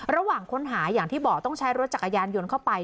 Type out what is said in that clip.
ระหว่างค้นหาอย่างที่บอกต้องใช้รถจักรยานยนต์เข้าไป